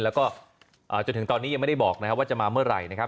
แล้วก็จนถึงตอนนี้ยังไม่ได้บอกว่าจะมาเมื่อไหร่